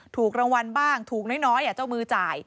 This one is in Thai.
ถูกรางวัลบ้างถูกน้อยเจ้ามือจ่าย